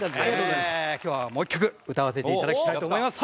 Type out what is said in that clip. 今日はもう１曲歌わせていただきたいと思います。